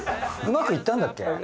うまくいったんだっけ？